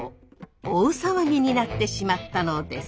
大騒ぎになってしまったのです。